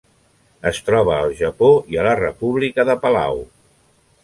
Es troba al Japó i a la República de Palau.